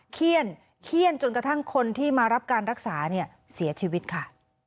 เขี้ยนเขี้ยนจนกระทั่งคนที่มารับการรักษาเนี่ยเสียชีวิตค่ะ